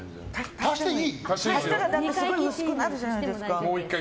足したらすごい薄くなるじゃないですか。